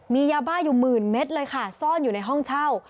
มียาบ้าอยู่หมื่นเม็ดเลยค่ะซ่อนอยู่ในห้องเช่า